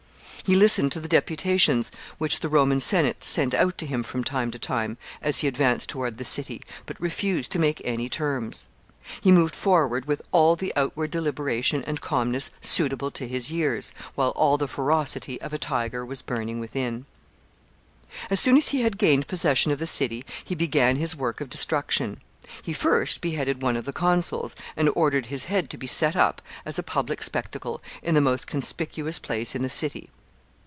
He listened to the deputations which the Roman Senate sent out to him from time to time, as he advanced toward the city, but refused to make any terms. He moved forward with all the outward deliberation and calmness suitable to his years, while all the ferocity of a tiger was burning within. [Sidenote: Executions by order of Marius.] As soon as he had gained possession of the city, he began his work of destruction. He first beheaded one of the consuls, and ordered his head to be set up, as a public spectacle, in the most conspicuous place in the city.